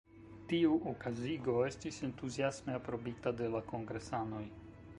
Tiu okazigo estis entuziasme aprobita de la kongresanoj.